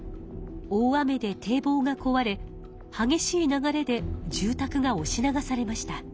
大雨でてい防がこわれ激しい流れで住たくがおし流されました。